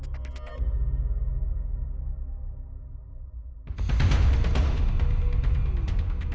sembah pangeran sejati